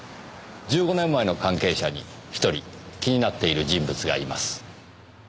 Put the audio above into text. １５年前の関係者に１人気になっている人物がいます。